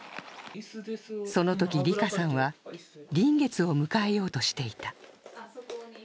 そのとき、りかさんは臨月を迎えようとしていた。